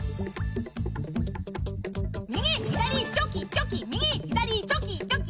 右左チョキチョキ右左チョキチョキ。